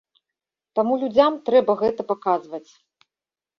Таму людзям гэта трэба паказваць.